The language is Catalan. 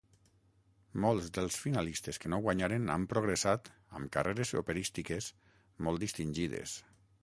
Molts dels finalistes que no guanyaren han progressat amb carreres operístiques molt distingides.